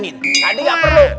tadi gak perlu